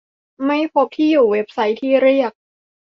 ไม่พบที่อยู่เว็บไซต์ที่เรียก